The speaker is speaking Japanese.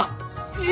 え！